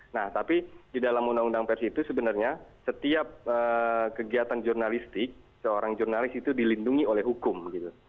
nah tapi di dalam undang undang pers itu sebenarnya setiap kegiatan jurnalistik seorang jurnalis itu dilindungi oleh hukum gitu